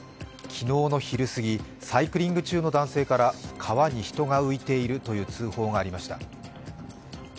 昨日の昼過ぎ、サイクリング中の男性から川に人が浮いているという通報がありました。